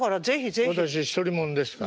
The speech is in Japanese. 私独り者ですから。